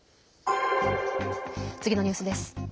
次のニュースです。